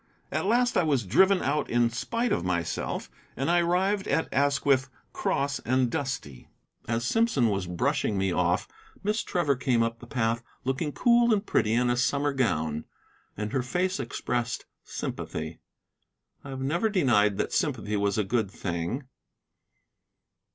At last I was driven out in spite of myself, and I arrived at Asquith cross and dusty. As Simpson was brushing me off, Miss Trevor came up the path looking cool and pretty in a summer gown, and her face expressed sympathy. I have never denied that sympathy was a good thing.